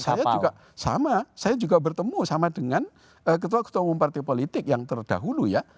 saya juga sama saya juga bertemu sama dengan ketua ketua umum partai politik yang terdahulu ya